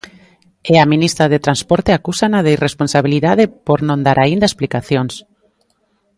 E á ministra de Transporte acúsana de irresponsabilidade por non dar aínda explicacións.